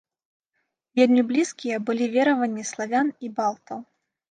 Вельмі блізкія былі вераванні славян і балтаў.